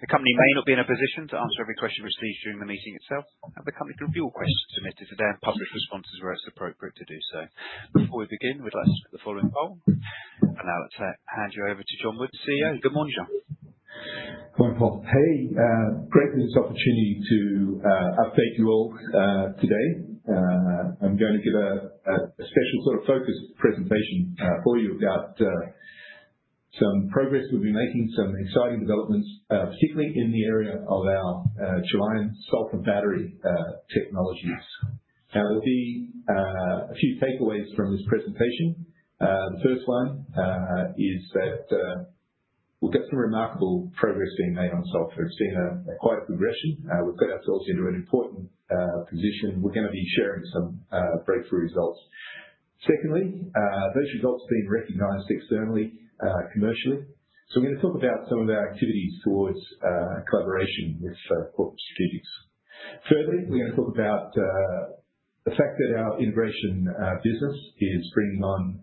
The company may not be in a position to answer every question received during the meeting itself, and the company can view all questions submitted today and publish responses where it's appropriate to do so. Before we begin, we'd like to look at the following poll, and now let's hand you over to John Wood, CEO. Good morning, John. Good morning, Paul. Hey, great business opportunity to update you all today. I'm going to give a special sort of focus presentation for you about some progress we've been making, some exciting developments, particularly in the area of our Gelion sulfur battery technologies. Now, there'll be a few takeaways from this presentation. The first one is that we've got some remarkable progress being made on sulfur. It's been quite a progression. We've got ourselves into an important position. We're going to be sharing some breakthrough results. Secondly, those results have been recognized externally, commercially. We're going to talk about some of our activities towards collaboration with corporate strategics. Thirdly, we're going to talk about the fact that our integration business is bringing on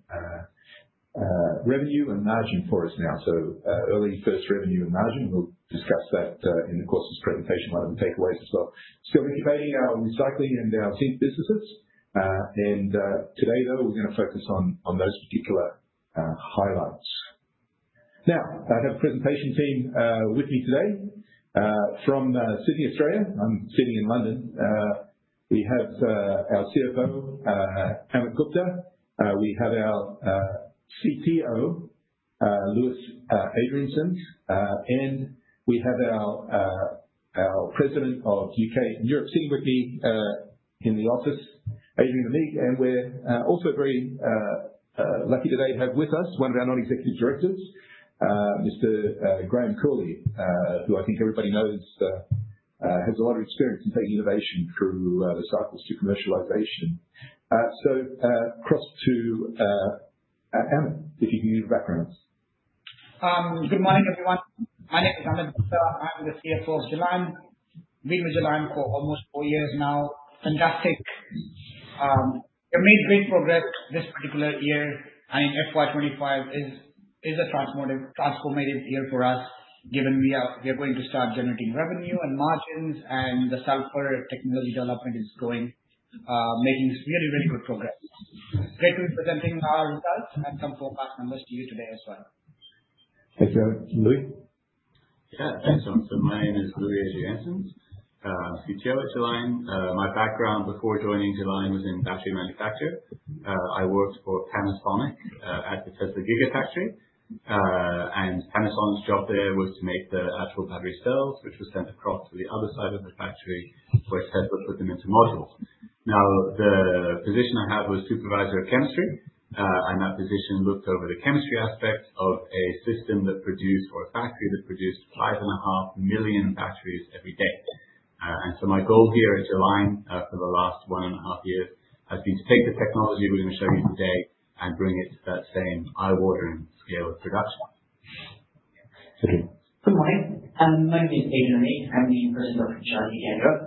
revenue and margin for us now, so early first revenue and margin. We'll discuss that in the course of this presentation, one of the takeaways as well. We're innovating our recycling and our zinc businesses. Today, though, we're going to focus on those particular highlights. I have a presentation team with me today from Sydney, Australia. I'm sitting in London. We have our CFO, Amit Gupta. We have our CTO, Louis Adriaenssens, and we have our President of UK and Europe sitting with me in the office, Adrien Amigues. We're also very lucky today to have with us one of our non-executive directors, Mr. Graham Cooley, who I think everybody knows has a lot of experience in taking innovation through recycles to commercialization. Cross to Amit, if you can give your background. Good morning, everyone. My name is Amit Gupta. I'm the CFO of Gelion. I've been with Gelion for almost four years now. Fantastic. We've made great progress this particular year, and FY 2025 is a transformative year for us, given we are going to start generating revenue and margins, and the sulfur technology development is going, making really, really good progress. Great to be presenting our results and some forecast numbers to you today as well. Thank you Amit, Louis. Yeah, thanks, John. My name is Louis Adriaenssens, CTO at Gelion. My background before joining Gelion was in battery manufacture. I worked for Panasonic at the Tesla Gigafactory, and Panasonic's job there was to make the actual battery cells, which were sent across to the other side of the factory, where Tesla put them into modules. The position I had was supervisor of chemistry, and that position looked over the chemistry aspect of a system that produced, or a factory that produced, five and a half million batteries every day. My goal here at Gelion for the last one and a half years has been to take the technology we're going to show you today and bring it to that same eye-watering scale of production. Good morning. My name is Adrien Amigues. I'm the person from Gelion in Europe.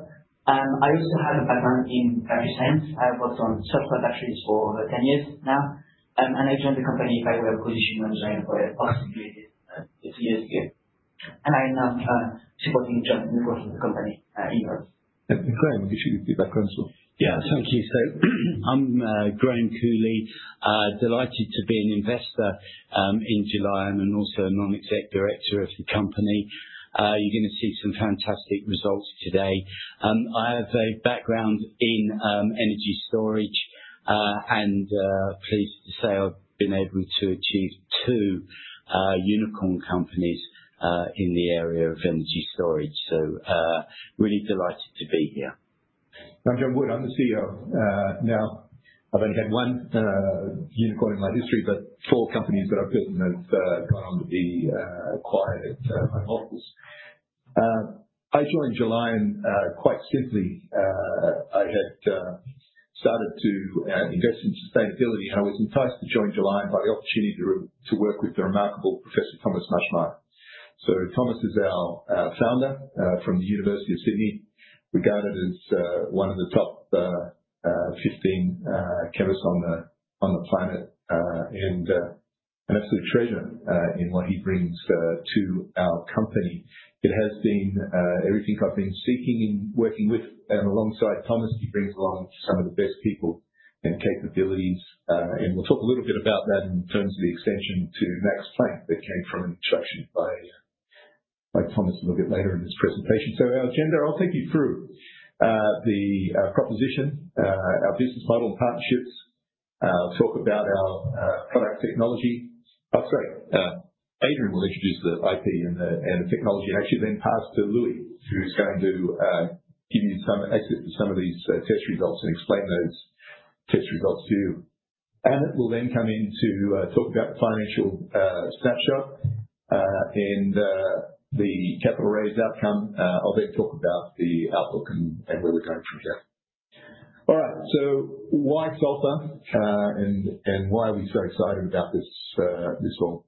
I also have a background in battery science. I've worked on sulfur batteries for over 10 years now, and I joined the company by way of position management about three years ago. I am now supporting John in the growth of the company in Europe. Thank you, Graham. You should give your background as well. Yeah, thank you. I am Graham Cooley, delighted to be an investor in Gelion and also a non-exec director of the company. You are going to see some fantastic results today. I have a background in energy storage, and pleased to say I have been able to achieve two unicorn companies in the area of energy storage. Really delighted to be here. I'm John Wood. I'm the CEO now. I've only had one unicorn in my history, but four companies that I've built and have gone on to be acquired at my markets. I joined Gelion quite simply. I had started to invest in sustainability, and I was enticed to join Gelion by the opportunity to work with the remarkable Professor Thomas Maschmeyer. Thomas is our founder from The University of Sydney. We got him as one of the top 15 chemists on the planet, and an absolute treasure in what he brings to our company. It has been everything I've been seeking and working with, and alongside Thomas, he brings along some of the best people and capabilities. We will talk a little bit about that in terms of the extension to Max Planck that came from an introduction by Thomas a little bit later in this presentation. Our agenda, I'll take you through the proposition, our business model and partnerships. I'll talk about our product technology. Oh, sorry. Adrien will introduce the IP and the technology, and actually then pass to Louis, who's going to give you some exit for some of these test results and explain those test results to you. We'll then come in to talk about the financial snapshot and the capital raise outcome. I'll then talk about the outlook and where we're going from here. All right, why sulfur and why are we so excited about this all?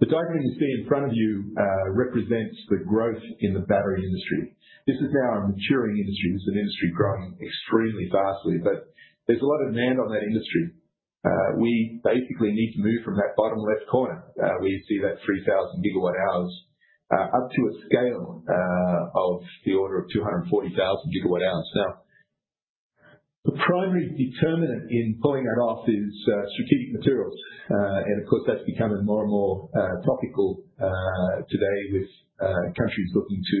The diagram you see in front of you represents the growth in the battery industry. This is now a maturing industry. This is an industry growing extremely fast, but there's a lot of demand on that industry. We basically need to move from that bottom left corner. We see that 3,000 GWh up to a scale of the order of 240,000 GWh. The primary determinant in pulling that off is strategic materials. Of course, that's becoming more and more topical today with countries looking to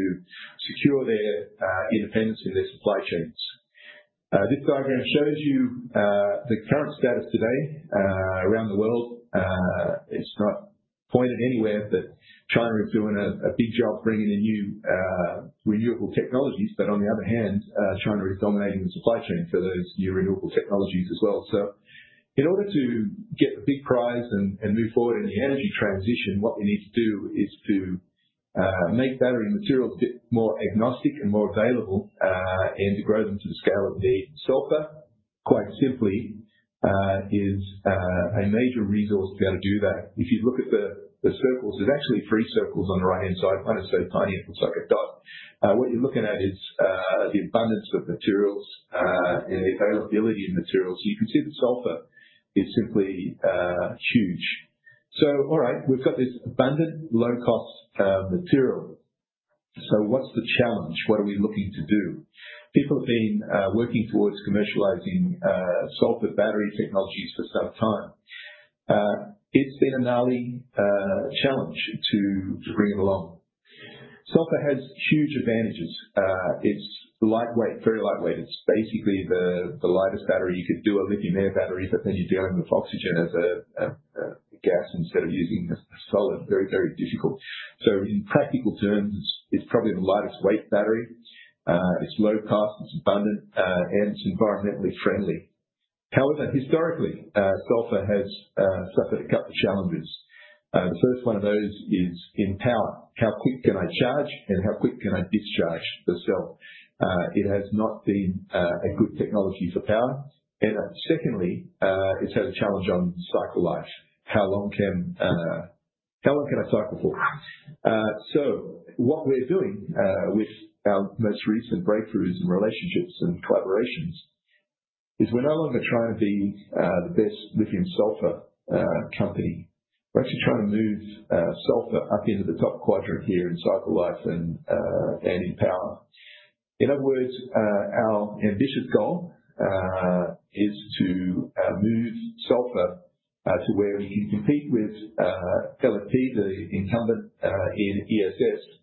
secure their independence in their supply chains. This diagram shows you the current status today around the world. It's not pointed anywhere that China is doing a big job bringing in new renewable technologies, but on the other hand, China is dominating the supply chain for those new renewable technologies as well. In order to get the big prize and move forward in the energy transition, what we need to do is to make battery materials a bit more agnostic and more available and to grow them to the scale of the need. Sulfur, quite simply, is a major resource to be able to do that. If you look at the circles, there's actually three circles on the right-hand side. One is so tiny it looks like a dot. What you're looking at is the abundance of materials and the availability of materials. You can see the sulfur is simply huge. All right, we've got this abundant, low-cost material. What's the challenge? What are we looking to do? People have been working towards commercializing sulfur battery technologies for some time. It's been a gnarly challenge to bring it along. Sulfur has huge advantages. It's lightweight, very lightweight. It's basically the lightest battery you could do a lithium-ion battery, but then you're dealing with oxygen as a gas instead of using a solid. Very, very difficult. In practical terms, it's probably the lightest weight battery. It's low cost, it's abundant, and it's environmentally friendly. However, historically, sulfur has suffered a couple of challenges. The first one of those is in power. How quick can I charge and how quick can I discharge the cell? It has not been a good technology for power. Secondly, it's had a challenge on cycle life. How long can I cycle for? What we're doing with our most recent breakthroughs and relationships and collaborations is we're no longer trying to be the best lithium-sulfur company. We're actually trying to move sulfur up into the top quadrant here in cycle life and in power. In other words, our ambitious goal is to move sulfur to where we can compete with LFP, the incumbent in ESS,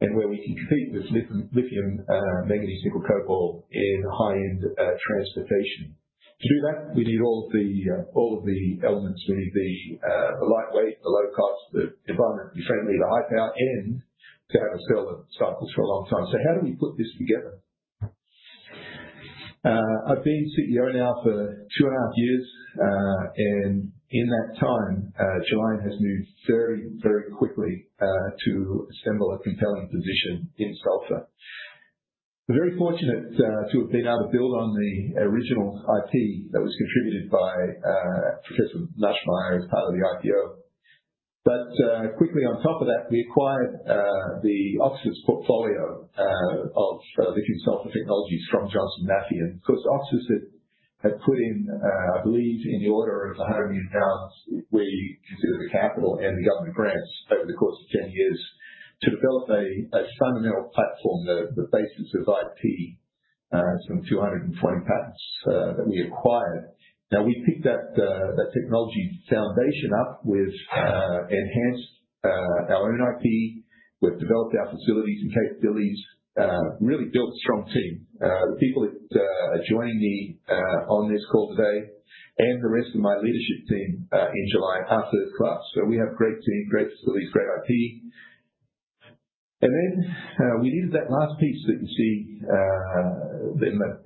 and where we can compete with lithium-manganese nickel-cobalt in high-end transportation. To do that, we need all of the elements. We need the lightweight, the low cost, the environmentally friendly, the high power, and to have a cell that cycles for a long time. How do we put this together? I've been CEO now for two and a half years, and in that time, Gelion has moved very, very quickly to assemble a compelling position in sulfur. We're very fortunate to have been able to build on the original IP that was contributed by Professor Maschmeyer as part of the IPO. Quickly on top of that, we acquired Oxford's portfolio of lithium-sulfur technologies from Johnson Matthey. Of course, Oxford had put in, I believe, in the order of [100 million pounds], we consider the capital and government grants over the course of 10 years to develop a fundamental platform, the basis of IP, some 220 patents that we acquired. Now, we picked that technology foundation up, we've enhanced our own IP, we've developed our facilities and capabilities, really built a strong team. The people that are joining me on this call today and the rest of my leadership team in Gelion are first class. We have a great team, great facilities, great IP. We needed that last piece that you see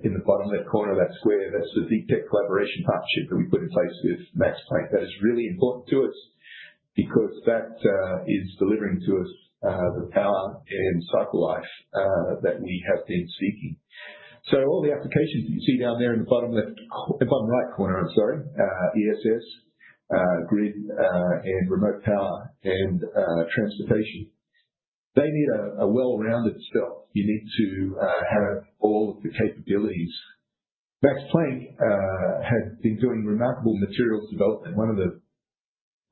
in the bottom left corner of that square. That is the deep tech collaboration partnership that we put in place with Max Planck. That is really important to us because that is delivering to us the power and cycle life that we have been seeking. All the applications that you see down there in the bottom right corner, I'm sorry, ESS, grid, and remote power, and transportation, they need a well-rounded spell. You need to have all of the capabilities. Max Planck had been doing remarkable materials development, one of the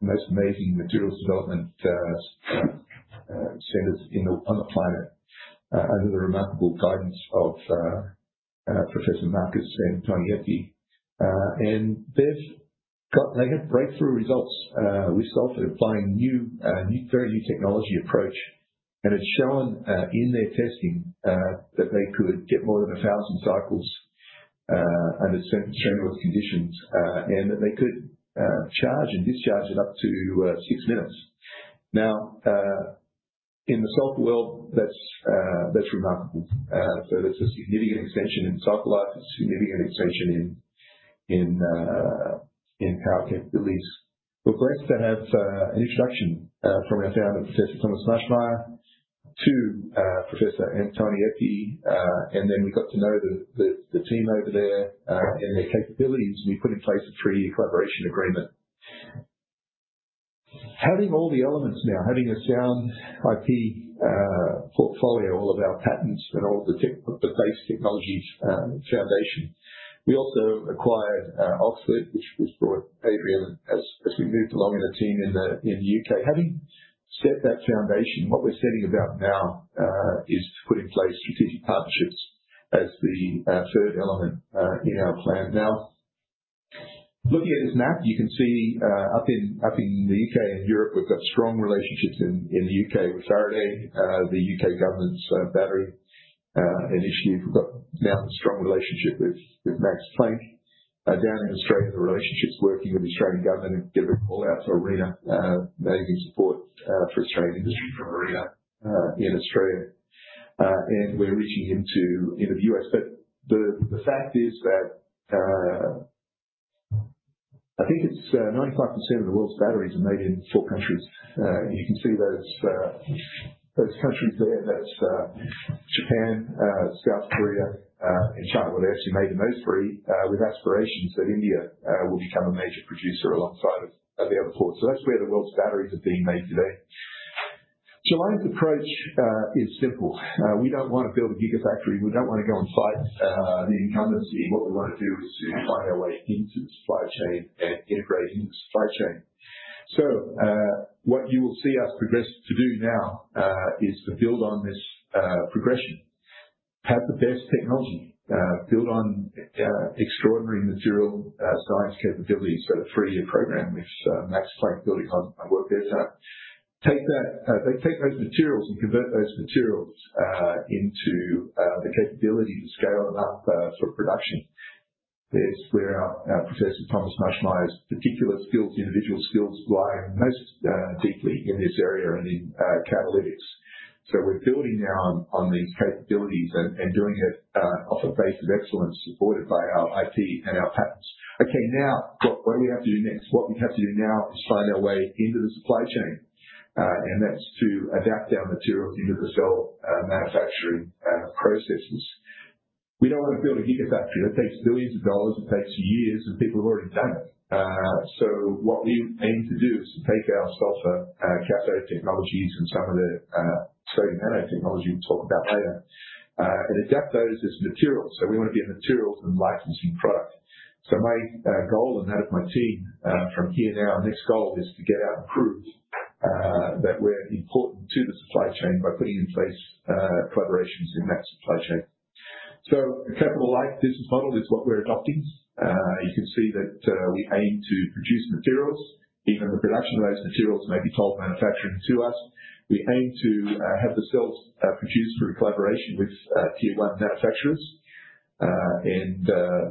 most amazing materials development centers on the planet under the remarkable guidance of Professor Markus Antonietti. They have breakthrough results with sulfur applying a very new technology approach, and it's shown in their testing that they could get more than 1,000 cycles under certain strain-orth conditions and that they could charge and discharge in up to six minutes. In the sulfur world, that's remarkable. That's a significant extension in sulfur life, a significant extension in power capabilities. We're blessed to have an introduction from our founder, Professor Thomas Maschmeyer, to Professor Markus Antonietti, and then we got to know the team over there and their capabilities, and we put in place a three-year collaboration agreement. Having all the elements now, having a sound IP portfolio, all of our patents and all of the base technology foundation. We also acquired Oxford, which brought Adrien as we moved along in a team in the U.K. Having set that foundation, what we're setting about now is to put in place strategic partnerships as the third element in our plan. Now, looking at this map, you can see up in the U.K. and Europe, we've got strong relationships in the U.K. with Faraday, the U.K. government's battery initiative. We've got now a strong relationship with Max Planck. Down in Australia, the relationship's working with the Australian government. I've given a call out to ARENA, amazing support for Australian industry from ARENA in Australia. We're reaching into the U.S. The fact is that I think it's 95% of the world's batteries are made in four countries. You can see those countries there. That's Japan, South Korea, and China, where they're actually made in those three, with aspirations that India will become a major producer alongside the other four. That's where the world's batteries are being made today. Gelion's approach is simple. We don't want to build a gigafactory. We don't want to go and fight the incumbency. What we want to do is to find our way into the supply chain and integrate into the supply chain. What you will see us progress to do now is to build on this progression, have the best technology, build on extraordinary material science capabilities for the three-year program with Max Planck building on my work there. Take those materials and convert those materials into the capability to scale them up for production. It's where Professor Thomas Maschmeyer's particular skills, individual skills, lie most deeply in this area and in catalytics. We are building now on these capabilities and doing it off a base of excellence supported by our IP and our patents. Okay, now, what do we have to do next? What we have to do now is find our way into the supply chain, and that's to adapt our materials into the cell manufacturing processes. We don't want to build a gigafactory. That takes billions of dollars. It takes years, and people have already done it. What we aim to do is to take our sulfur cathode technologies and some of the sodium anode technology we'll talk about later and adapt those as materials. We want to be a materials and licensing product. My goal and that of my team from here now, our next goal is to get out and prove that we're important to the supply chain by putting in place collaborations in that supply chain. A capital-like business model is what we're adopting. You can see that we aim to produce materials. Even the production of those materials may be toll manufacturing to us. We aim to have the cells produced through collaboration with tier-one manufacturers, and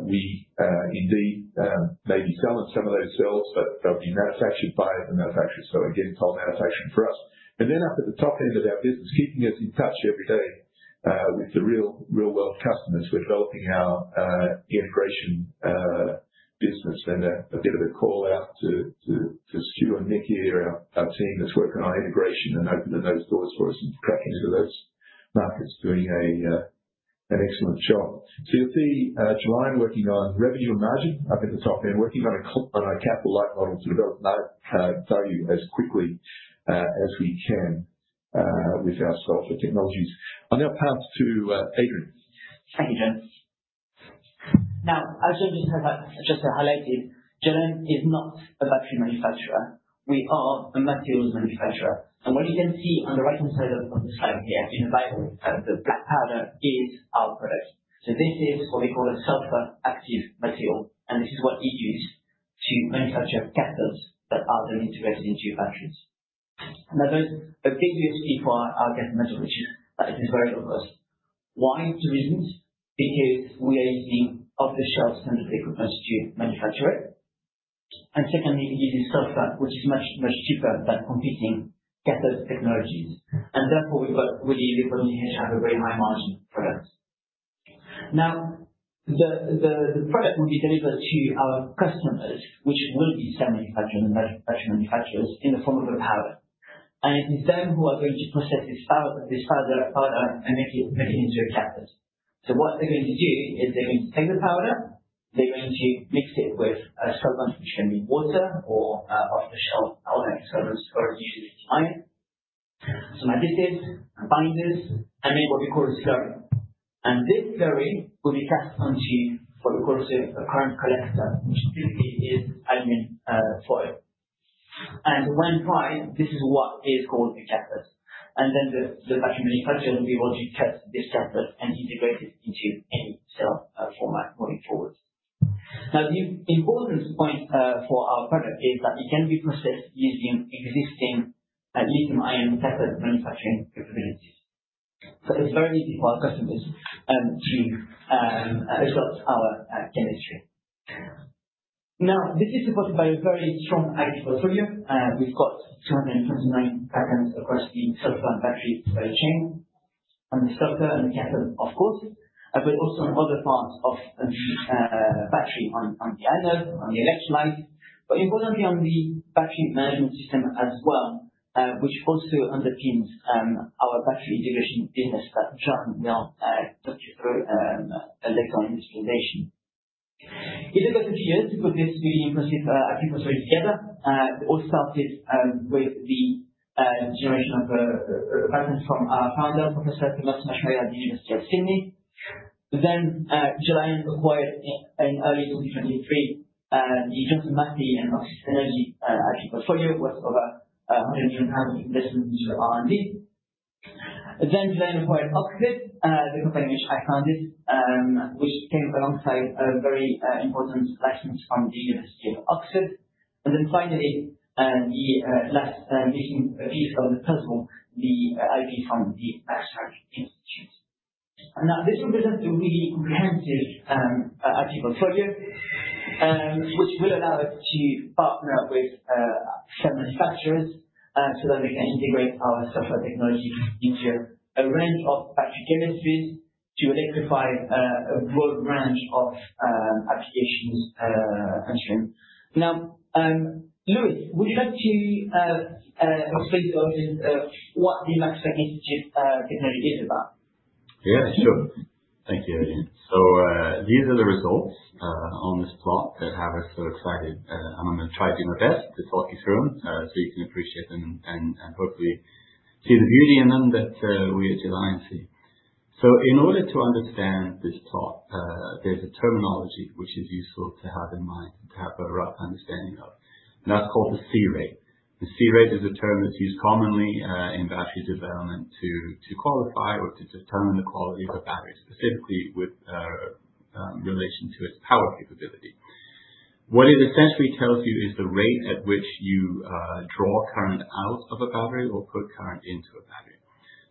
we indeed may be selling some of those cells, but they'll be manufactured by the manufacturers. Toll manufacturing for us. Up at the top end of our business, keeping us in touch every day with the real-world customers, we're developing our integration business. A bit of a call out to [Stuart] and [Niki] here, our team that's working on integration and opening those doors for us and cracking into those markets, doing an excellent job. You will see Gelion working on revenue and margin up at the top end, working on a capital-like model to develop value as quickly as we can with our sulfur technologies. I'll now pass to Adrien. Thank you, John. Now, as John just highlighted, Gelion is not a battery manufacturer. We are a materials manufacturer. What you can see on the right-hand side of the slide here in the black powder is our product. This is what we call a sulfur-active material, and this is what we use to manufacture cathodes that are then integrated into batteries. There is a big USP for our cathode metal, which is that it is very robust. Why? Two reasons. Because we are using off-the-shelf standard liquid-molecule manufacturing. Secondly, we are using sulfur, which is much, much cheaper than competing cathode technologies. Therefore, we have really the opportunity here to have a very high-margin product. The product will be delivered to our customers, which will be semi-manufacturers and battery manufacturers in the form of a powder. It is them who are going to process this powder and make it into a cathode. What they're going to do is they're going to take the powder, they're going to mix it with a solvent, which can be water or off-the-shelf alkaline solvents or using lithium-ion. They mix it, combine this, and make what we call a slurry. This slurry will be cast onto what we call a current collector, which typically is aluminum foil. When dried, this is what is called a cathode. The battery manufacturer will be able to cut this cathode and integrate it into any cell format moving forward. The important point for our product is that it can be processed using existing lithium-ion cathode manufacturing capabilities. It is very easy for our customers to adopt our chemistry. Now, this is supported by a very strong IP portfolio. We've got 229 patents across the sulfur and battery supply chain on the sulfur and the cathode, of course, but also on other parts of the battery, on the anode, on the electrolyte, but importantly, on the battery management system as well, which also underpins our battery integration business that John will talk you through later on in this presentation. It took us a few years to put this really impressive IP portfolio together. It all started with the generation of patents from our founder, Professor Thomas Maschmeyer, at The University of Sydney. Then Gelion acquired in early 2023 the Johnson Matthey and Oxis Energy IP portfolio, worth over [100 million] in investment into R&D. Then Gelion acquired Oxford, the company which I founded, which came alongside a very important license from the University of Oxford. Finally, the last missing piece of the puzzle, the IP from the Max Planck Institute. Now, this represents a really comprehensive IP portfolio, which will allow us to partner with some manufacturers so that we can integrate our sulfur technology into a range of battery chemistries to electrify a broad range of applications and trends. Now, Louis, would you like to explain to us what the Max Planck Institute technology is about? Yeah, sure. Thank you, Adrien. These are the results on this plot that have us so excited. I'm going to try to do my best to talk you through them so you can appreciate them and hopefully see the beauty in them that we at Gelion see. In order to understand this plot, there's a terminology which is useful to have in mind and to have a rough understanding of. That's called the C-rate. The C-rate is a term that's used commonly in battery development to qualify or to determine the quality of a battery, specifically with relation to its power capability. What it essentially tells you is the rate at which you draw current out of a battery or put current into a battery.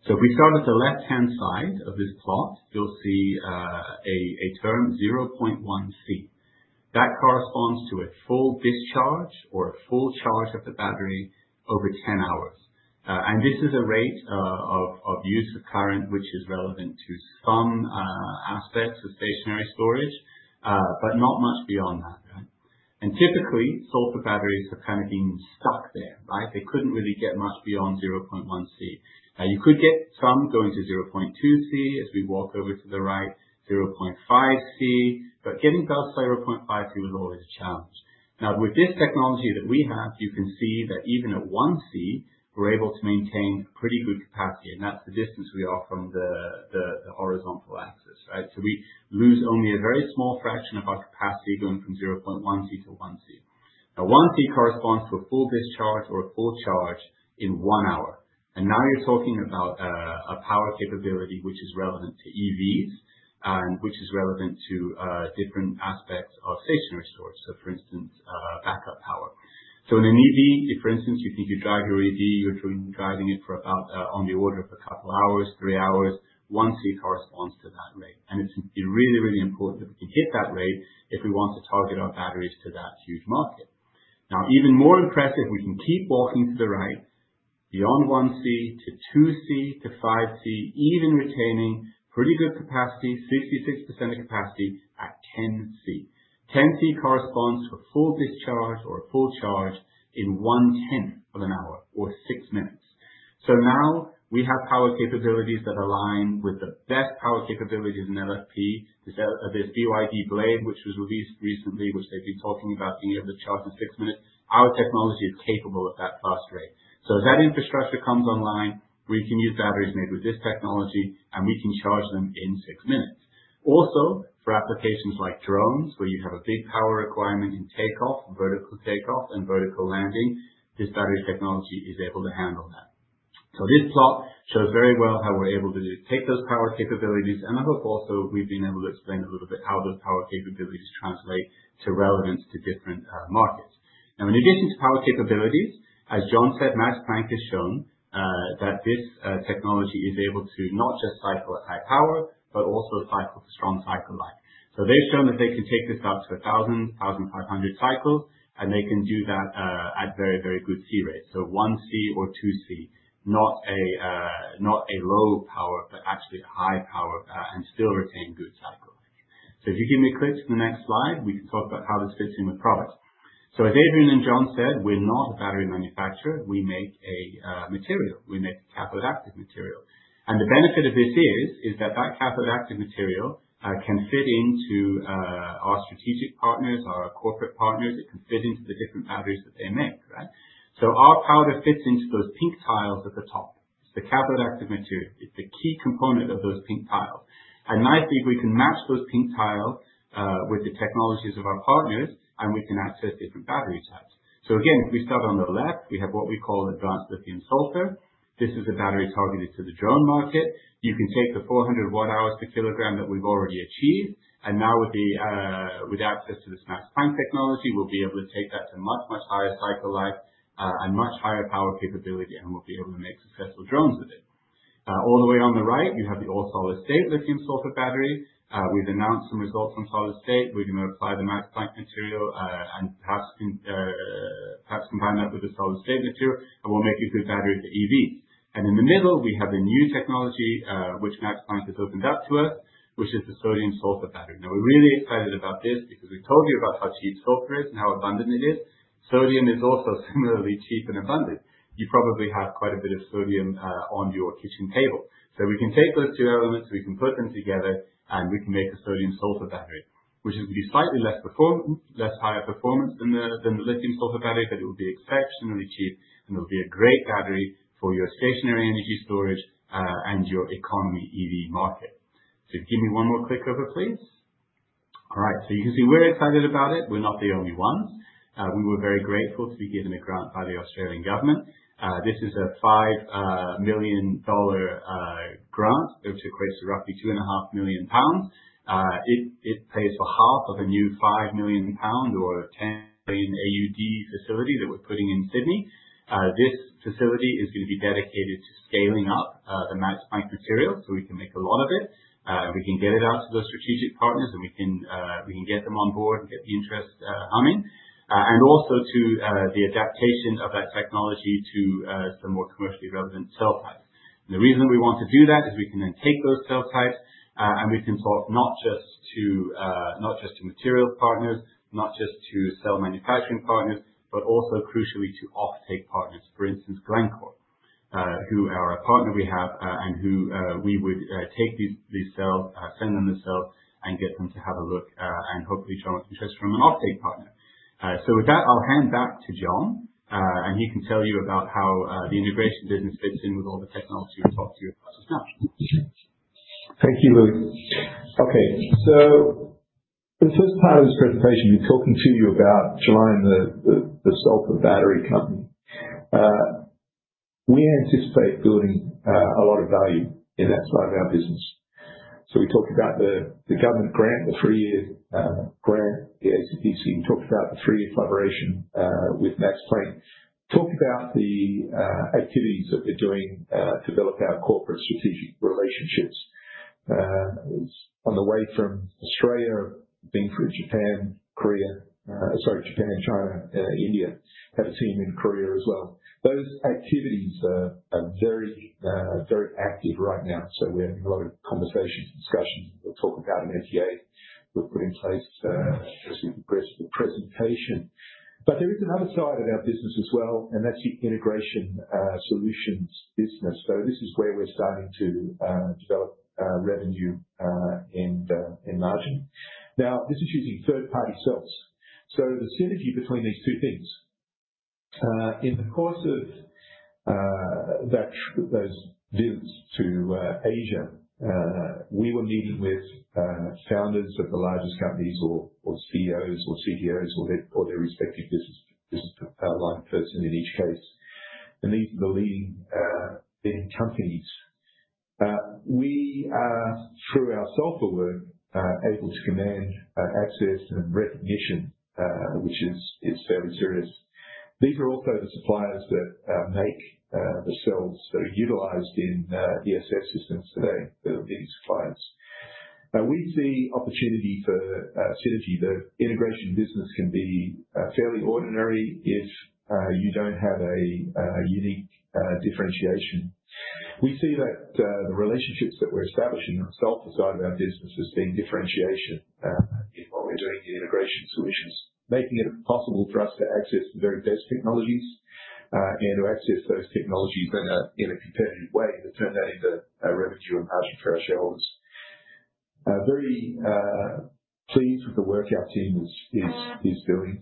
If we start at the left-hand side of this plot, you'll see a term, 0.1C. That corresponds to a full discharge or a full charge of the battery over 10 hours. This is a rate of use of current, which is relevant to some aspects of stationary storage, but not much beyond that. Typically, sulfur batteries have kind of been stuck there. They could not really get much beyond 0.1C. You could get some going to 0.2C as we walk over to the right, 0.5C, but getting past 0.5C was always a challenge. Now, with this technology that we have, you can see that even at 1C, we are able to maintain a pretty good capacity. That is the distance we are from the horizontal axis. We lose only a very small fraction of our capacity going from 0.1C to 1C. Now, 1C corresponds to a full discharge or a full charge in one hour. Now you're talking about a power capability which is relevant to EVs and which is relevant to different aspects of stationary storage, for instance, backup power. In an EV, if, for instance, you think you drive your EV, you're driving it for about on the order of a couple of hours, three hours, 1C corresponds to that rate. It's really, really important that we can hit that rate if we want to target our batteries to that huge market. Even more impressive, we can keep walking to the right beyond 1C to 2C to 5C, even retaining pretty good capacity, 66% of capacity at 10C. 10C corresponds to a full discharge or a full charge in 1/10 of an hour or six minutes. Now we have power capabilities that align with the best power capabilities in LFP, this BYD Blade, which was released recently, which they've been talking about being able to charge in six minutes. Our technology is capable of that fast rate. As that infrastructure comes online, we can use batteries made with this technology, and we can charge them in six minutes. Also, for applications like drones, where you have a big power requirement in takeoff, vertical takeoff, and vertical landing, this battery technology is able to handle that. This plot shows very well how we're able to take those power capabilities and I hope also we've been able to explain a little bit how those power capabilities translate to relevance to different markets. Now, in addition to power capabilities, as John said, Max Planck has shown that this technology is able to not just cycle at high power, but also cycle to strong cycle life. They have shown that they can take this out to 1,000-1,500 cycles, and they can do that at very, very good C rates. 1C or 2C, not a low power, but actually a high power and still retain good cycle life. If you give me a click to the next slide, we can talk about how this fits in with product. As Adrien and John said, we are not a battery manufacturer. We make a material. We make a cathode-active material. The benefit of this is that that cathode-active material can fit into our strategic partners, our corporate partners. It can fit into the different batteries that they make. Our powder fits into those pink tiles at the top. It's the cathode-active material. It's the key component of those pink tiles. Nicely, if we can match those pink tiles with the technologies of our partners, we can access different battery types. Again, if we start on the left, we have what we call advanced lithium-sulfur. This is a battery targeted to the drone market. You can take the 400 Wh/kg that we've already achieved. Now with access to this Max Planck technology, we'll be able to take that to much, much higher cycle life and much higher power capability, and we'll be able to make successful drones with it. All the way on the right, you have the all-solid-state lithium-sulfur battery. We've announced some results on solid-state. We're going to apply the Max Planck material and perhaps combine that with the solid-state material, and we'll make a good battery for EVs. In the middle, we have a new technology which Max Planck has opened up to us, which is the sodium-sulfur battery. Now, we're really excited about this because we told you about how cheap sulfur is and how abundant it is. Sodium is also similarly cheap and abundant. You probably have quite a bit of sodium on your kitchen table. We can take those two elements, we can put them together, and we can make a sodium-sulfur battery, which is going to be slightly less higher performance than the lithium-sulfur battery, but it will be exceptionally cheap, and it'll be a great battery for your stationary energy storage and your economy EV market. If you give me one more click over, please. All right. You can see we're excited about it. We're not the only ones. We were very grateful to be given a grant by the Australian government. This is an 5 million dollar grant, which equates to roughly 2.5 million pounds. It pays for half of a new 5 million pound or 10 million AUD facility that we're putting in Sydney. This facility is going to be dedicated to scaling up the Max Planck material so we can make a lot of it. We can get it out to those strategic partners, and we can get them on board and get the interest humming, and also to the adaptation of that technology to some more commercially relevant cell types. The reason that we want to do that is we can then take those cell types, and we can talk not just to materials partners, not just to cell manufacturing partners, but also, crucially, to off-take partners, for instance, Glencore, who are a partner we have and who we would take these cells, send them the cells, and get them to have a look and hopefully draw interest from an off-take partner. With that, I'll hand back to John, and he can tell you about how the integration business fits in with all the technology we've talked to you about just now. Thank you, Louis. Okay. For the first part of this presentation, we're talking to you about Gelion, the sulfur battery company. We anticipate building a lot of value in that side of our business. We talked about the government grant, the three-year grant, the ACDC. We talked about the three-year collaboration with Max Planck. We talked about the activities that we're doing to develop our corporate strategic relationships. On the way from Australia, being through Japan, China, India, had a team in Korea as well. Those activities are very active right now. We're having a lot of conversations and discussions. We'll talk about an MTA we'll put in place as we progress with the presentation. There is another side of our business as well, and that's the integration solutions business. This is where we're starting to develop revenue and margin. Now, this is using third-party cells. The synergy between these two things, in the course of those visits to Asia, we were meeting with founders of the largest companies or CEOs or CTOs or their respective business partners, in each case. These are the leading companies. We, through our sulfur work, are able to command access and recognition, which is fairly serious. These are also the suppliers that make the cells that are utilized in ESF systems today, the leading suppliers. We see opportunity for synergy. The integration business can be fairly ordinary if you do not have a unique differentiation. We see that the relationships that we're establishing on the sulfur side of our business as being differentiation in what we're doing in integration solutions, making it possible for us to access the very best technologies and to access those technologies in a competitive way and to turn that into revenue and margin for our shareholders. Very pleased with the work our team is doing.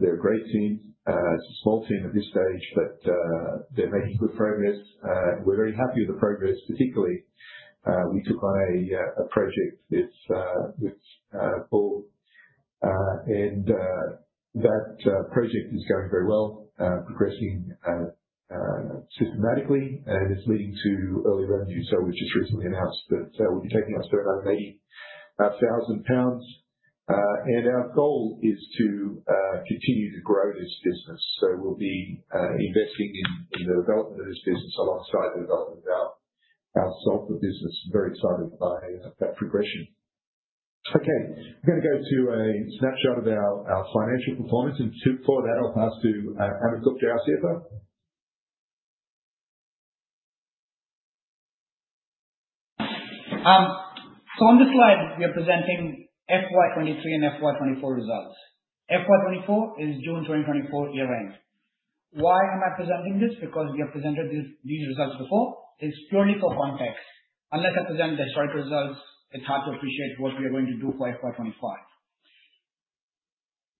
They're a great team. It's a small team at this stage, but they're making good progress. We're very happy with the progress. Particularly, we took on a project with Borg, and that project is going very well, progressing systematically, and it's leading to early revenue. We have just recently announced that we will be taking up to another 80,000 pounds. Our goal is to continue to grow this business. We will be investing in the development of this business alongside the development of our sulfur business. I'm very excited by that progression. Okay. I'm going to go to a snapshot of our financial performance. And for that, I'll pass to Amit Gupta, ask you about. On this slide, we are presenting FY 2023 and FY 2024 results. FY 2024 is June 2024 year-end. Why am I presenting this? Because we have presented these results before. It is purely for context. Unless I present the historic results, it is hard to appreciate what we are going to do for FY 2025.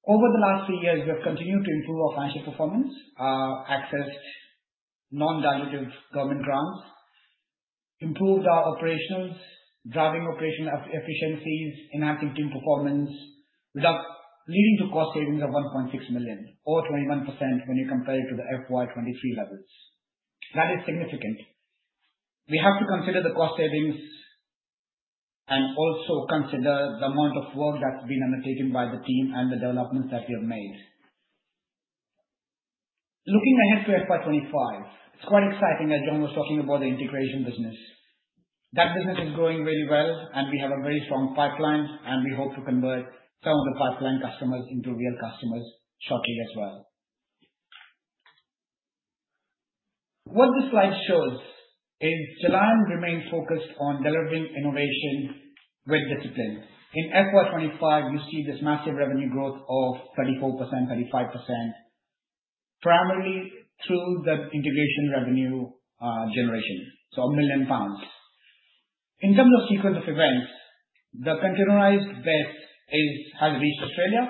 Over the last three years, we have continued to improve our financial performance, accessed non-dilutive government grants, improved our operationals, driving operational efficiencies, enhancing team performance, leading to cost savings of 1.6 million, or 21% when you compare it to the FY 2023 levels. That is significant. We have to consider the cost savings and also consider the amount of work that has been undertaken by the team and the developments that we have made. Looking ahead to FY 2025, it is quite exciting, as John was talking about, the integration business. That business is growing really well, and we have a very strong pipeline, and we hope to convert some of the pipeline customers into real customers shortly as well. What this slide shows is Gelion remains focused on delivering innovation with discipline. In FY 2025, you see this massive revenue growth of 34%-35%, primarily through the integration revenue generation, so 1 million pounds. In terms of sequence of events, the containerized vest has reached Australia.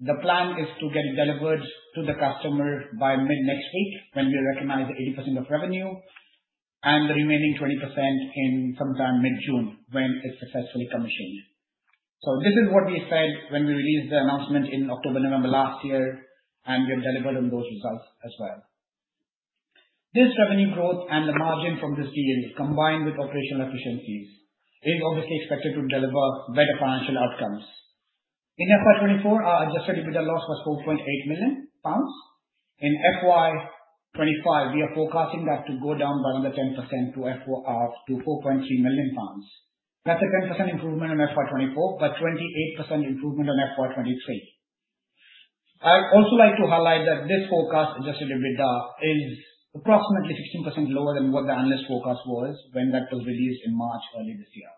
The plan is to get it delivered to the customer by mid-next week when we recognize 80% of revenue and the remaining 20% sometime mid-June when it is successfully commissioned. This is what we said when we released the announcement in October, November last year, and we have delivered on those results as well. This revenue growth and the margin from this deal, combined with operational efficiencies, is obviously expected to deliver better financial outcomes. In FY 2024, our adjusted EBITDA loss was 4.8 million pounds. In FY 2025, we are forecasting that to go down by another 10% to 4.3 million pounds. That's a 10% improvement on FY 2024, but 28% improvement on FY 2023. I'd also like to highlight that this forecast, adjusted EBITDA, is approximately 16% lower than what the analyst forecast was when that was released in March early this year.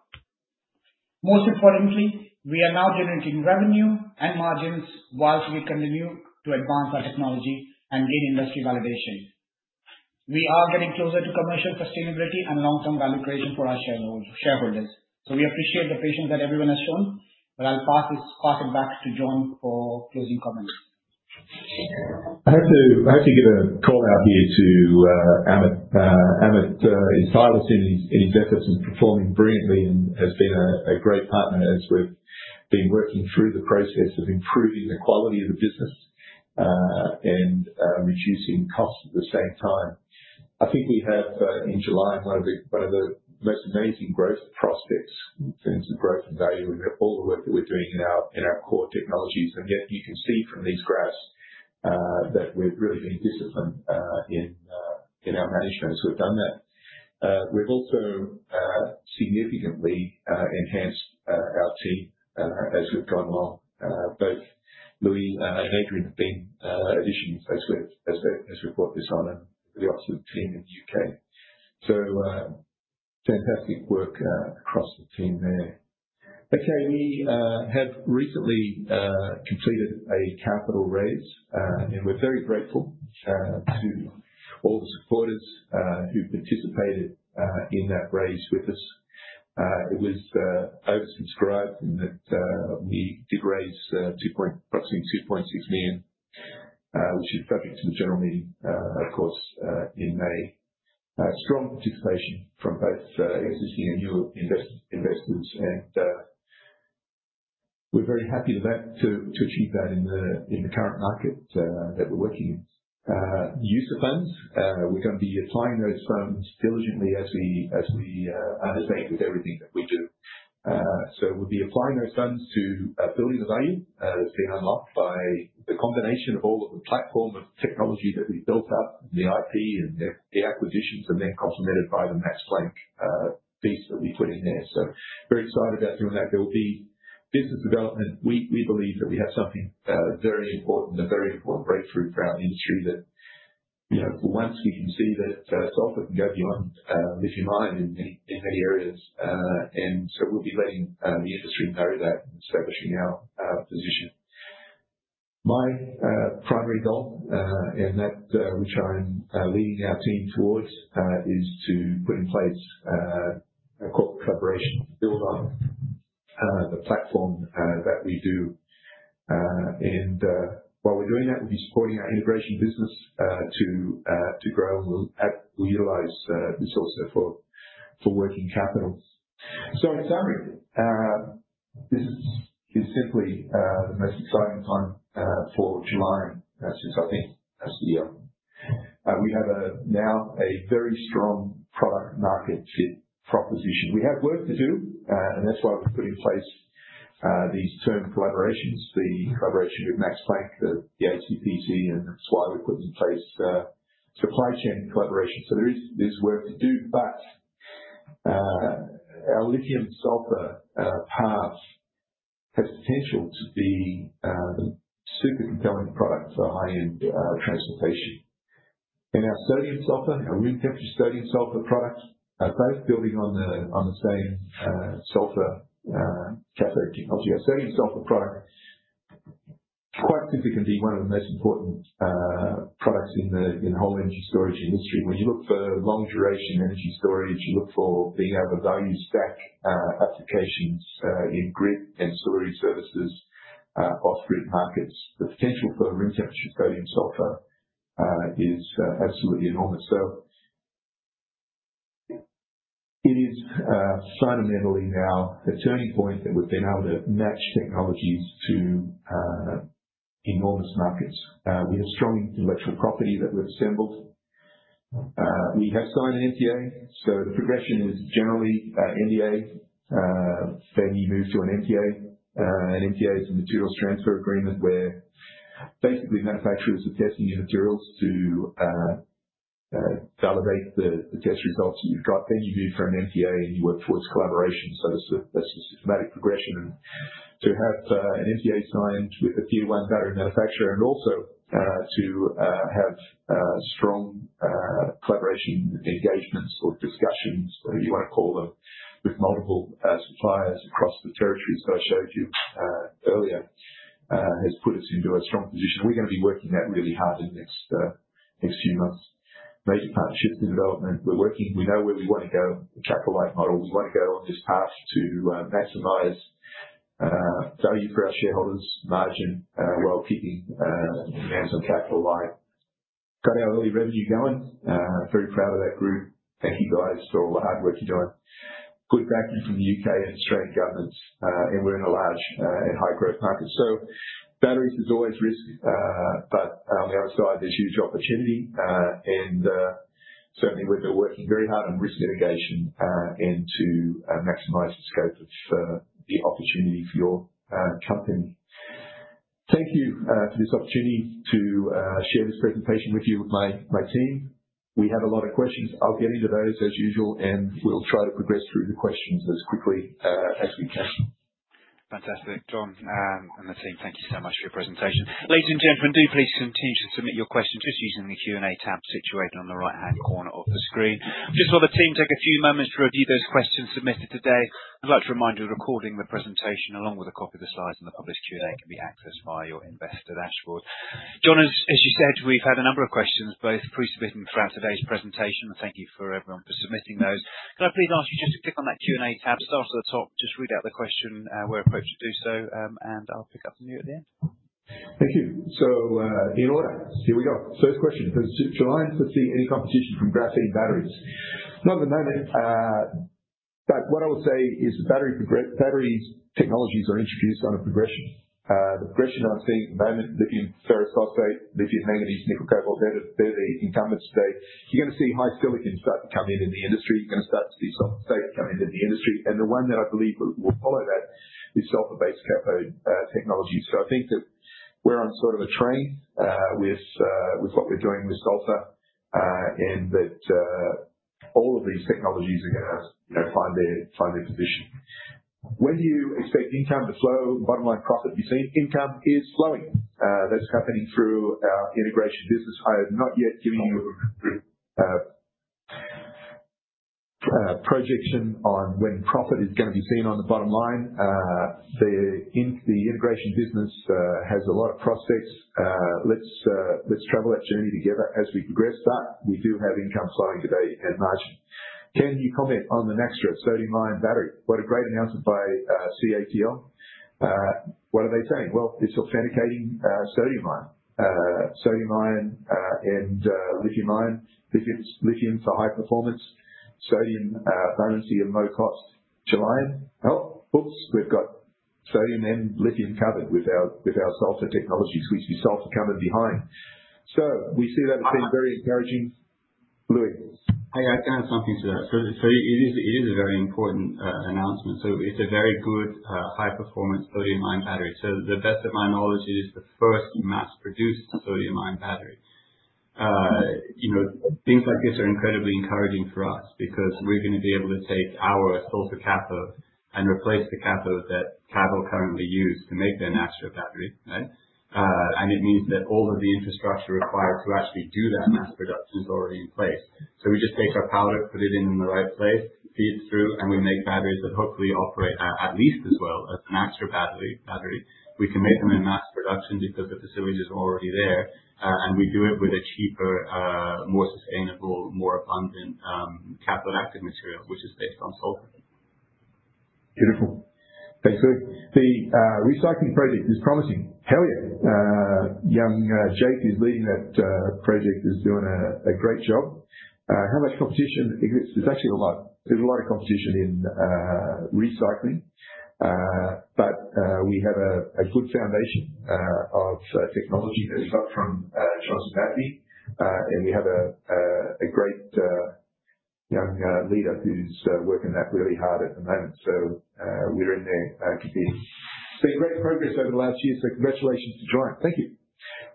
Most importantly, we are now generating revenue and margins whilst we continue to advance our technology and gain industry validation. We are getting closer to commercial sustainability and long-term value creation for our shareholders. We appreciate the patience that everyone has shown, but I'll pass it back to John for closing comments. I have to give a call out here to Amit. Amit is tireless in his efforts and performing brilliantly and has been a great partner as we've been working through the process of improving the quality of the business and reducing costs at the same time. I think we have, in July, one of the most amazing growth prospects in terms of growth and value. We've got all the work that we're doing in our core technologies, and yet you can see from these graphs that we've really been disciplined in our management as we've done that. We've also significantly enhanced our team as we've gone along. Both Louis and Adrien have been additionally close with us as we brought this on and the Oxford team in the U.K. Fantastic work across the team there. Okay. We have recently completed a capital raise, and we're very grateful to all the supporters who participated in that raise with us. It was oversubscribed in that we did raise approximately 2.6 million, which is subject to the general meeting, of course, in May. Strong participation from both existing and new investors, and we're very happy to achieve that in the current market that we're working in. Use the funds. We're going to be applying those funds diligently as we undertake with everything that we do. We'll be applying those funds to building the value that's being unlocked by the combination of all of the platform of technology that we've built up, the IP and the acquisitions, and then complemented by the Max Planck piece that we put in there. Very excited about doing that. There will be business development. We believe that we have something very important, a very important breakthrough for our industry that once we can see that sulfur can go beyond lithium-ion in many areas. We will be letting the industry know that and establishing our position. My primary goal, and that which I'm leading our team towards, is to put in place a corporate collaboration to build on the platform that we do. While we're doing that, we'll be supporting our integration business to grow, and we'll utilize this also for working capital. In summary, this is simply the most exciting time for Gelion, since I think that we have now a very strong product-market fit proposition. We have work to do, and that's why we've put in place these term collaborations, the collaboration with Max Planck, the ACDC, and that's why we've put in place supply chain collaboration. There is work to do, but our lithium-sulfur path has potential to be a super compelling product for high-end transportation. Our sodium-sulfur, our room temperature sodium-sulfur product, are both building on the same sulfur cathode technology. Our sodium-sulfur product quite simply can be one of the most important products in the whole energy storage industry. When you look for long-duration energy storage, you look for being able to value stack applications in grid and storage services off-grid markets. The potential for room temperature sodium-sulfur is absolutely enormous. It is fundamentally now a turning point that we've been able to match technologies to enormous markets. We have strong intellectual property that we've assembled. We have signed an MTA, so the progression is generally NDA, then you move to an MTA. An MTA is a materials transfer agreement where basically manufacturers are testing your materials to validate the test results. You move from an MTA and you work towards collaboration. That is the systematic progression. To have an MTA signed with a tier-one battery manufacturer and also to have strong collaboration engagements or discussions, whatever you want to call them, with multiple suppliers across the territories that I showed you earlier has put us into a strong position. We are going to be working that really hard in the next few months. Major partnerships in development. We are working. We know where we want to go. The capital-light model. We want to go on this path to maximize value for our shareholders, margin, while keeping the amounts of capital-light. Got our early revenue going. Very proud of that group. Thank you, guys, for all the hard work you're doing. Good backing from the U.K. and Australian governments, and we're in a large and high-growth market. Batteries is always risk, but on the other side, there's huge opportunity. Certainly, we've been working very hard on risk mitigation and to maximize the scope of the opportunity for your company. Thank you for this opportunity to share this presentation with you, with my team. We have a lot of questions. I'll get into those as usual, and we'll try to progress through the questions as quickly as we can. Fantastic. John and the team, thank you so much for your presentation. Ladies and gentlemen, do please continue to submit your questions just using the Q&A tab situated on the right-hand corner of the screen. Just while the team take a few moments to review those questions submitted today, I'd like to remind you we're recording the presentation along with a copy of the slides and the published Q&A can be accessed via your investor dashboard. John, as you said, we've had a number of questions, both pre-submitted throughout today's presentation, and thank you for everyone for submitting those. Can I please ask you just to click on that Q&A tab, start at the top, just read out the question? We're equipped to do so, and I'll pick up from you at the end. Thank you. In order, here we go. First question. Does Gelion foresee any competition from graphene batteries? Not at the moment, but what I would say is the battery technologies are introduced on a progression. The progression I've seen at the moment, lithium ferrous phosphate, lithium manganese, nickel cobalt, they're the incumbents today. You're going to see high silicon start to come in in the industry. You're going to start to see sulfur state come into the industry. The one that I believe will follow that is sulfur-based cathode technology. I think that we're on sort of a train with what we're doing with sulfur and that all of these technologies are going to find their position. When do you expect income to flow? Bottom line profit to be seen? Income is flowing. That's happening through our integration business. I have not yet given you a projection on when profit is going to be seen on the bottom line. The integration business has a lot of prospects. Let's travel that journey together as we progress. We do have income flowing today and margin. Can you comment on the Naxtra sodium-ion battery? What a great announcement by CATL. What are they saying? It is authenticating sodium-ion. Sodium-ion and lithium-ion. Lithium for high performance. Sodium bonus at a low cost. Gelion? Oh, oops. We've got sodium and lithium covered with our sulfur technologies. We see sulfur coming behind. We see that as being very encouraging. Louis. Hi. I can add something to that. It is a very important announcement. It is a very good high-performance sodium-ion battery. To the best of my knowledge, it is the first mass-produced sodium-ion battery. Things like this are incredibly encouraging for us because we're going to be able to take our sulfur cathode and replace the cathode that CATL currently used to make their Naxtra battery, right? It means that all of the infrastructure required to actually do that mass production is already in place. We just take our powder, put it in the right place, feed it through, and we make batteries that hopefully operate at least as well as Naxtra battery. We can make them in mass production because the facility is already there, and we do it with a cheaper, more sustainable, more abundant cathode-active material, which is based on sulfur. Beautiful. Thanks, Louis. The recycling project is promising. Helium young Jake is leading that project, is doing a great job. How much competition? There's actually a lot. There's a lot of competition in recycling, but we have a good foundation of technology that's up from [Charles McCaughey], and we have a great young leader who's working that really hard at the moment. We are in there competing. It's been great progress over the last year, so congratulations to Gelion. Thank you.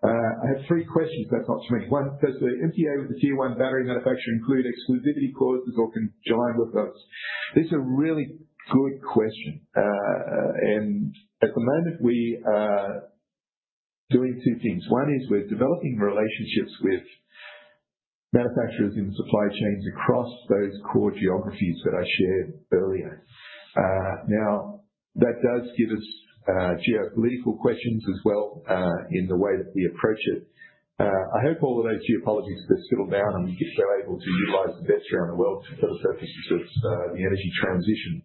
I have three questions. That's not too many. One, does the MTA with the tier-one battery manufacturer include exclusivity clauses or can Gelion work with us? This is a really good question. At the moment, we are doing two things. One is we're developing relationships with manufacturers in supply chains across those core geographies that I shared earlier. Now, that does give us geopolitical questions as well in the way that we approach it. I hope all of those geopolitics have settled down and we're able to utilize the best around the world for the purposes of the energy transition.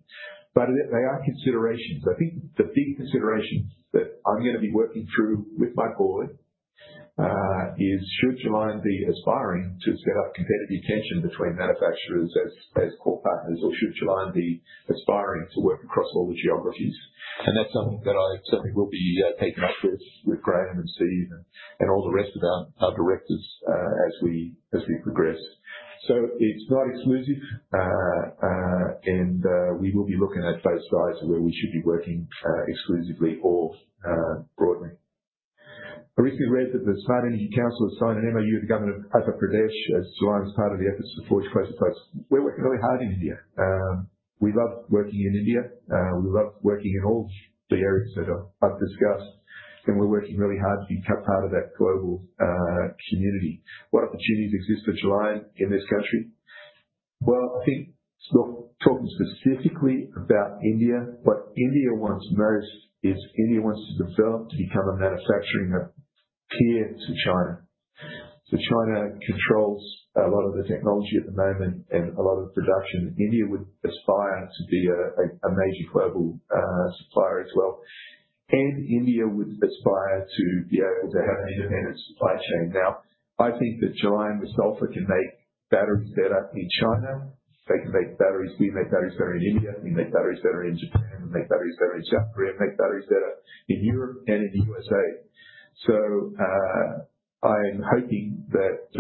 They are considerations. I think the big consideration that I'm going to be working through with my board is should Gelion be aspiring to set up competitive tension between manufacturers as core partners, or should Gelion be aspiring to work across all the geographies? That is something that I certainly will be taking up with Graham and Steve and all the rest of our directors as we progress. It is not exclusive, and we will be looking at both sides of where we should be working exclusively or broadly. I recently read that the Smart Energy Council has signed an MoU with the government of Uttar Pradesh as Gelion's part of the efforts to forge closer ties. We're working really hard in India. We love working in India. We love working in all the areas that I've discussed, and we're working really hard to be part of that global community. What opportunities exist for Gelion in this country? I think talking specifically about India, what India wants most is India wants to develop to become a manufacturing peer to China. China controls a lot of the technology at the moment and a lot of the production. India would aspire to be a major global supplier as well, and India would aspire to be able to have an independent supply chain. I think that Gelion with sulfur can make batteries better in China. They can make batteries. We make batteries better in India. We make batteries better in Japan. We make batteries better in South Korea. We make batteries better in Europe and in the USA. I'm hoping that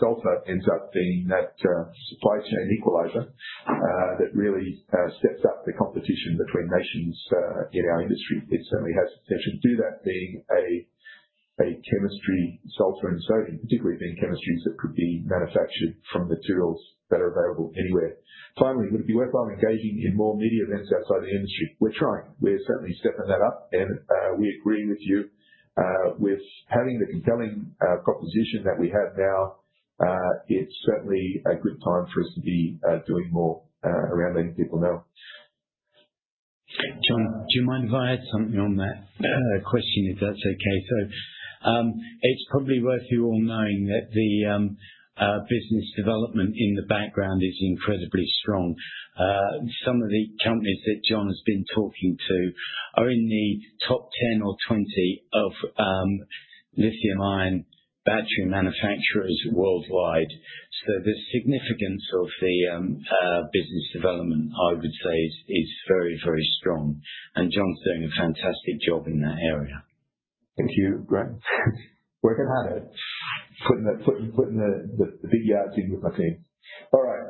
sulfur ends up being that supply chain equalizer that really steps up the competition between nations in our industry. It certainly has the potential to do that, being a chemistry, sulfur and sodium, particularly being chemistries that could be manufactured from materials that are available anywhere. Finally, would it be worthwhile engaging in more media events outside the industry? We're trying. We're certainly stepping that up, and we agree with you. With having the compelling proposition that we have now, it's certainly a good time for us to be doing more around letting people know. John, do you mind if I add something on that question if that's okay? It's probably worth you all knowing that the business development in the background is incredibly strong. Some of the companies that John has been talking to are in the top 10 or 20 of lithium-ion battery manufacturers worldwide. The significance of the business development, I would say, is very, very strong. John's doing a fantastic job in that area. Thank you, Graham. Working hard at it. Putting the big yards in with my team. All right.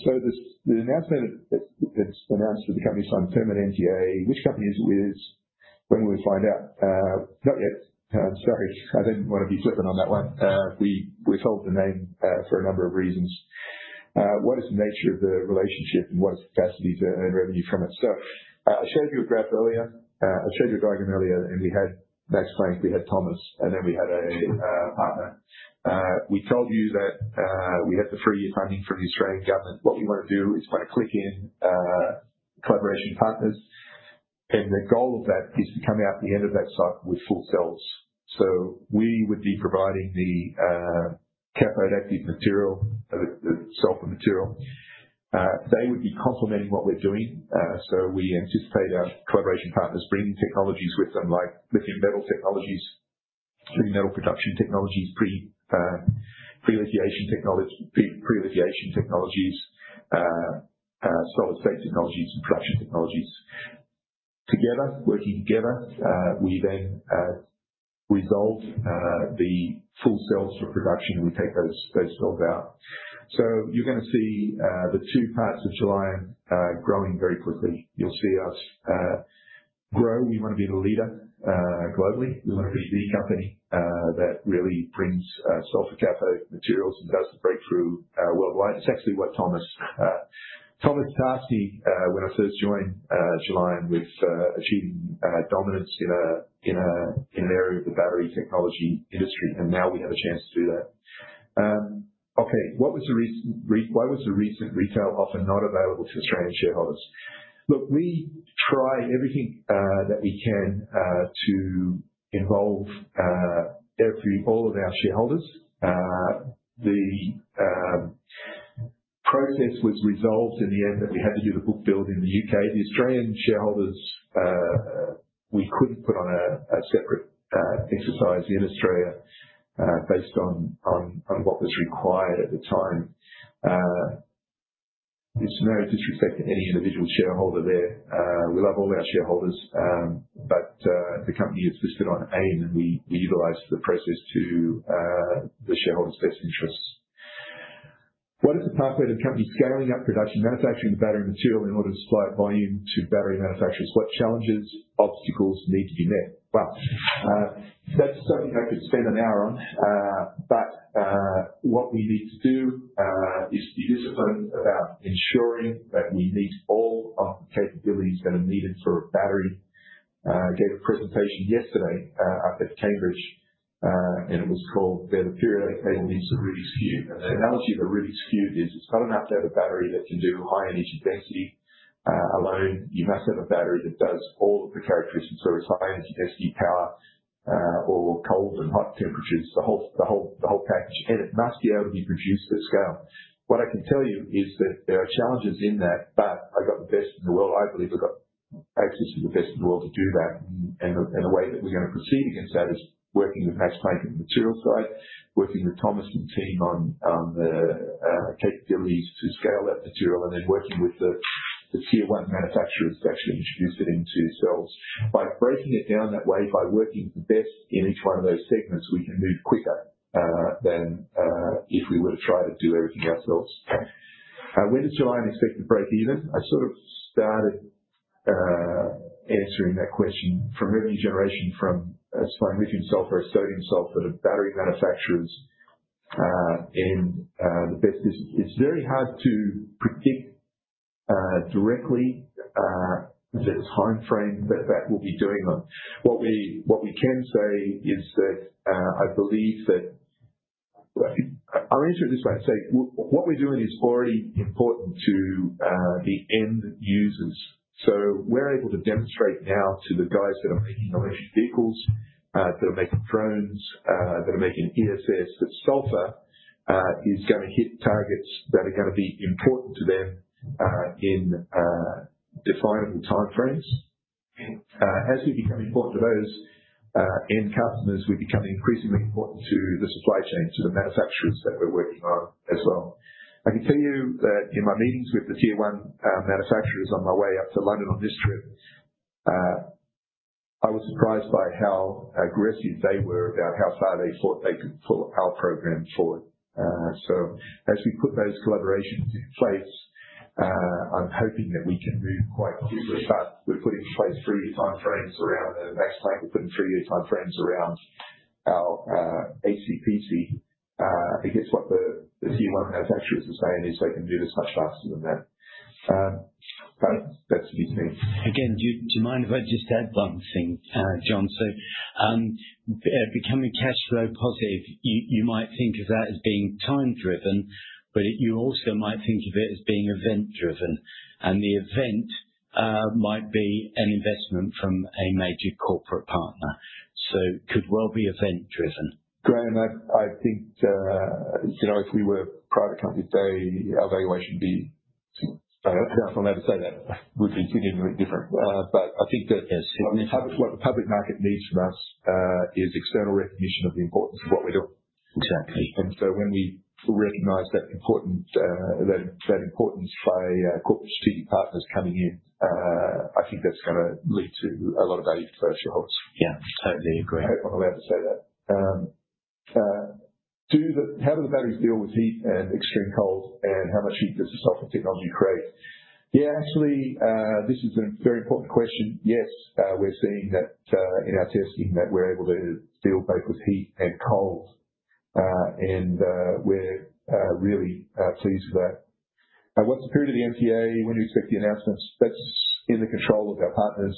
The announcement that's been announced for the company signed [Thilo and MTA]. Which company is it with? When will we find out? Not yet. I'm sorry. I didn't want to be flippant on that one. We've held the name for a number of reasons. What is the nature of the relationship and what is capacity to earn revenue from it? I showed you a graph earlier. I showed you a diagram earlier, and we had Max Planck, we had Thomas, and then we had a partner. We told you that we had the three-year funding from the Australian government. What we want to do is want to click in collaboration partners. The goal of that is to come out at the end of that cycle with full cells. We would be providing the cathode-active material, the sulfur material. They would be complementing what we're doing. We anticipate our collaboration partners bringing technologies with them like lithium metal technologies, lithium metal production technologies, prelithiation technologies, solid-state technologies, and production technologies. Together, working together, we then resolve the full cells for production. We take those cells out. You're going to see the two parts of Gelion growing very quickly. You'll see us grow. We want to be the leader globally. We want to be the company that really brings sulfur cathode materials and does the breakthrough worldwide. It's actually what Thomas [Maschmeyer], when I first joined Gelion, was achieving dominance in an area of the battery technology industry. Now we have a chance to do that. Okay. What was the reason why was the recent retail offer not available to Australian shareholders? Look, we try everything that we can to involve all of our shareholders. The process was resolved in the end that we had to do the book build in the U.K. The Australian shareholders, we couldn't put on a separate exercise in Australia based on what was required at the time. It's no disrespect to any individual shareholder there. We love all our shareholders, but the company is listed on AIM, and we utilize the process to the shareholders' best interests. What is the pathway to the company scaling up production, manufacturing the battery material in order to supply volume to battery manufacturers? What challenges, obstacles need to be met? That's something I could spend an hour on. What we need to do is be disciplined about ensuring that we meet all of the capabilities that are needed for a battery. I gave a presentation yesterday up at Cambridge, and it was called Where the Periodic Table Meets the Rubik's Cube. The analogy of a Rubik's Cube is it's not enough to have a battery that can do high energy density alone. You must have a battery that does all of the characteristics. It is high energy density, power, or cold and hot temperatures, the whole package. It must be able to be produced at scale. What I can tell you is that there are challenges in that, but I got the best in the world. I believe I got access to the best in the world to do that. The way that we're going to proceed against that is working with Max Planck on the material side, working with Thomas and team on the capabilities to scale that material, and then working with the tier-one manufacturers to actually introduce it into cells. By breaking it down that way, by working the best in each one of those segments, we can move quicker than if we were to try to do everything ourselves. When does Gelion expect to break even? I sort of started answering that question from revenue generation from supplying lithium-sulfur, sodium-sulfur, to battery manufacturers in the best business. It's very hard to predict directly the timeframe that that will be doing on. What we can say is that I believe that I'll answer it this way. What we're doing is already important to the end users. We're able to demonstrate now to the guys that are making electric vehicles, that are making drones, that are making ESS, that sulfur is going to hit targets that are going to be important to them in definable timeframes. As we become important to those end customers, we become increasingly important to the supply chain, to the manufacturers that we're working on as well. I can tell you that in my meetings with the tier-one manufacturers on my way up to London on this trip, I was surprised by how aggressive they were about how far they thought they could pull our program forward. As we put those collaborations in place, I'm hoping that we can move quite quickly. We're putting in place three-year timeframes around the Max Planck. We're putting three-year timeframes around our ACPC. I guess what the tier-one manufacturers are saying is they can move us much faster than that. That is to be seen. Again, do you mind if I just add one thing, John? Becoming cash flow positive, you might think of that as being time-driven, but you also might think of it as being event-driven. The event might be an investment from a major corporate partner. It could well be event-driven. Graham, I think if we were a private company, our valuation would be, I'll never say that. It would be significantly different. I think that what the public market needs from us is external recognition of the importance of what we're doing. Exactly. When we recognize that importance by corporate strategic partners coming in, I think that's going to lead to a lot of value for our shareholders. Yeah, totally agree. I'm glad to say that. How do the batteries deal with heat and extreme cold, and how much heat does the sulfur technology create? Yeah, actually, this is a very important question. Yes, we're seeing that in our testing that we're able to deal both with heat and cold, and we're really pleased with that. What's the period of the MTA? When do you expect the announcements? That's in the control of our partners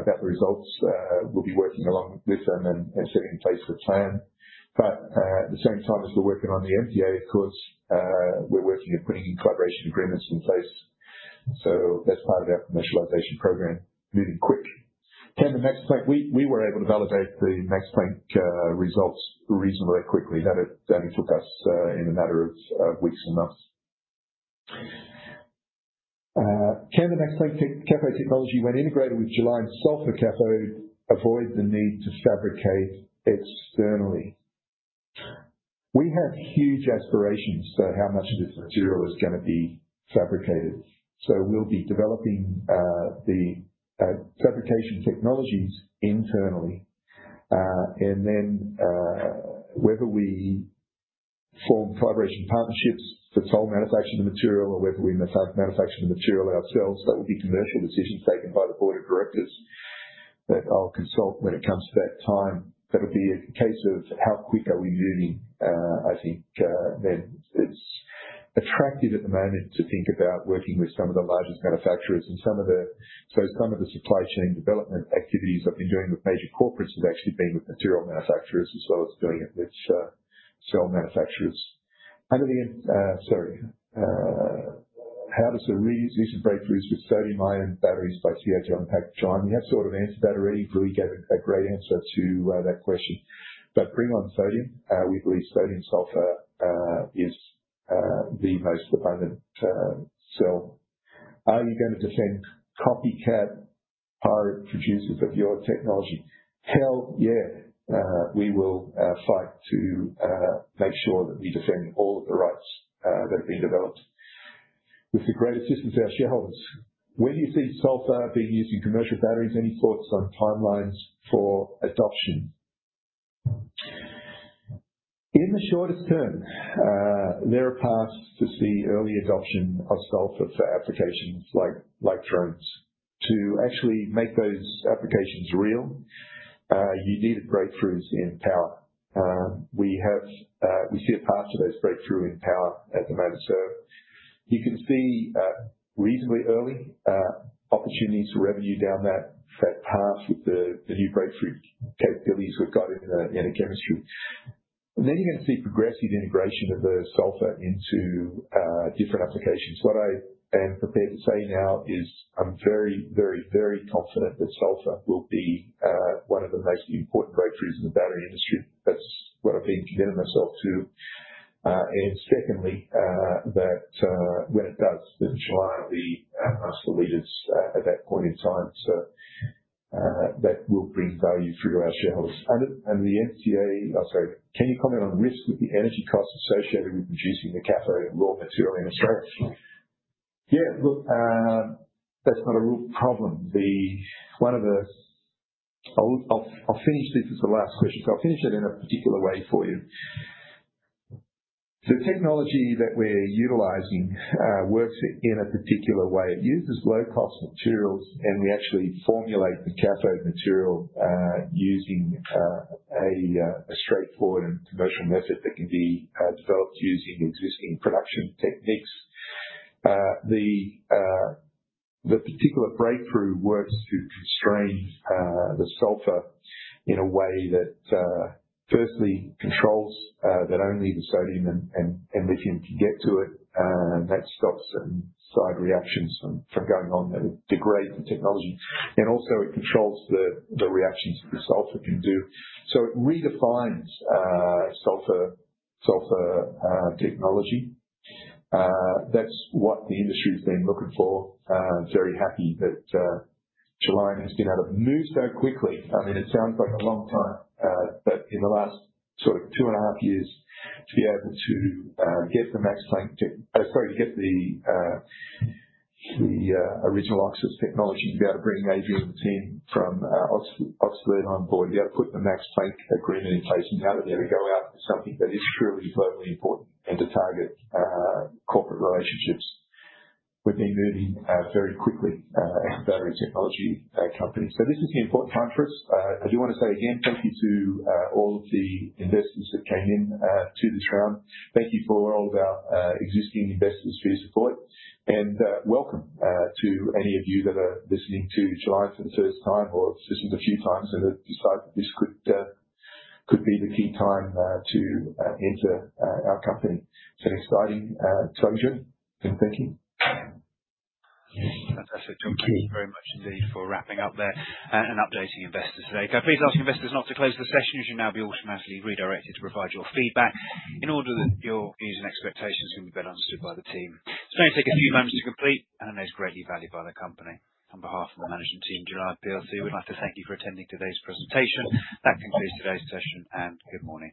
about the results. We'll be working along with them and setting in place the plan. At the same time as we're working on the MTA, of course, we're working at putting in collaboration agreements in place. That's part of our commercialization program, moving quick. Can the Max Planck? We were able to validate the Max Planck results reasonably quickly. That only took us in a matter of weeks and months. Can the Max Planck cathode technology, when integrated with Gelion sulfur cathode, avoid the need to fabricate externally? We have huge aspirations for how much of this material is going to be fabricated. We'll be developing the fabrication technologies internally. Whether we form collaboration partnerships for sole manufacturing of the material or whether we manufacture the material ourselves, that will be commercial decisions taken by the board of directors that I'll consult when it comes to that time. That'll be a case of how quick are we moving, I think. It's attractive at the moment to think about working with some of the largest manufacturers. Some of the supply chain development activities I've been doing with major corporates have actually been with material manufacturers as well as doing it with cell manufacturers. How does the recent breakthroughs with sodium-ion batteries by CATL impact Gelion? We have sort of answered that already. Louis gave a great answer to that question. Bring on sodium. We believe sodium-sulfur is the most abundant cell. Are you going to defend copycat pirate producers of your technology? Hell, yeah. We will fight to make sure that we defend all of the rights that have been developed with the great assistance of our shareholders. Where do you see sulfur being used in commercial batteries? Any thoughts on timelines for adoption? In the shortest term, there are paths to see early adoption of sulfur for applications like drones. To actually make those applications real, you needed breakthroughs in power. We see a path to those breakthroughs in power at the moment. You can see reasonably early opportunities for revenue down that path with the new breakthrough capabilities we've got in the chemistry. Then you're going to see progressive integration of the sulfur into different applications. What I am prepared to say now is I'm very, very, very confident that sulfur will be one of the most important breakthroughs in the battery industry. That's what I've been committing myself to. Secondly, when it does, then Gelion will be amongst the leaders at that point in time. That will bring value through our shareholders. The MTA—sorry. Can you comment on risk with the energy costs associated with producing the cathode and raw material in Australia? Yeah, look, that's not a real problem. One of the—I'll finish this as the last question. I'll finish it in a particular way for you. The technology that we're utilizing works in a particular way. It uses low-cost materials, and we actually formulate the cathode material using a straightforward and commercial method that can be developed using existing production techniques. The particular breakthrough works to constrain the sulfur in a way that, firstly, controls that only the sodium and lithium can get to it. That stops certain side reactions from going on that would degrade the technology. It also controls the reactions that the sulfur can do. It redefines sulfur technology. That is what the industry has been looking for. Very happy that Gelion has been able to move so quickly. I mean, it sounds like a long time, but in the last sort of two and a half years, to be able to get the Max Planck—sorry, to get the original Oxis technology, to be able to bring Adrien and the team from Oxford on board, to be able to put the Max Planck agreement in place and be able to go out with something that is truly globally important and to target corporate relationships. We've been moving very quickly as a battery technology company. This is the important time for us. I do want to say again, thank you to all of the investors that came in to this round. Thank you for all of our existing investors for your support. Welcome to any of you that are listening to Gelion for the first time or have listened a few times and have decided that this could be the key time to enter our company. It's an exciting time of journey. Thank you. Fantastic. Thank you very much indeed for wrapping up there and updating investors today. Please ask investors not to close the session as you'll now be automatically redirected to provide your feedback in order that your views and expectations can be better understood by the team. It's going to take a few moments to complete, and it is greatly valued by the company. On behalf of the management team, Gelion, we'd like to thank you for attending today's presentation. That concludes today's session, and good morning.